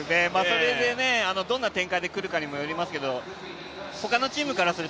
どんな展開で来るかにもよりますけど、他のチームからする